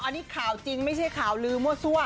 อันนี้ข่าวจริงไม่ใช่ข่าวลืมมั่วซั่ว